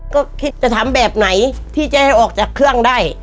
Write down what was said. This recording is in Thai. ก็คิดจะทำแบบไหนที่จะให้ออกจากเครื่องได้